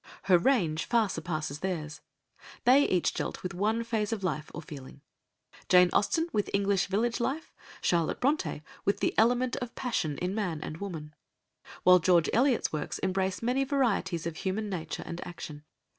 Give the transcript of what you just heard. Her range far surpasses theirs. They each dealt with one phase of life or feeling: Jane Austen with English village life, Charlotte Brontë with the element of passion in man and woman, while George Eliot's works embrace many varieties of human nature and action.